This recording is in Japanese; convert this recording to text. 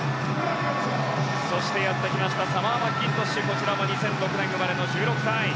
そして、やってきましたサマー・マッキントッシュこちらも２００６年生まれの１６歳。